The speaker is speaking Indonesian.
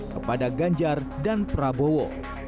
kepada ganjar dan prabowo